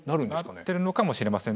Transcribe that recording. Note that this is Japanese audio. なってるのかもしれません。